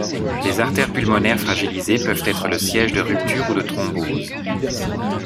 Les artères pulmonaires fragilisées peuvent être le siège de rupture ou de thrombose.